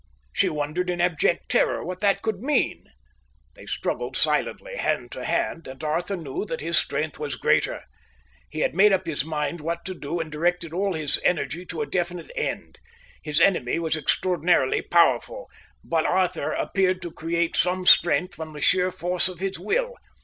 She wondered in abject terror what that could mean. They struggled silently, hand to hand, and Arthur knew that his strength was greater. He had made up his mind what to do and directed all his energy to a definite end. His enemy was extraordinarily powerful, but Arthur appeared to create some strength from the sheer force of his will.